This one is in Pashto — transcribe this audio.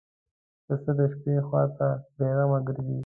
پسه د شپې خوا ته بېغمه ګرځي.